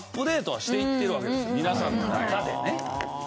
皆さんの中でね。